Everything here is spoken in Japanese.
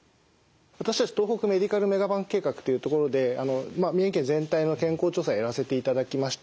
私たち東北メディカル・メガバンク計画というところで宮城県全体の健康調査やらせていただきました。